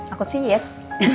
aku sih yes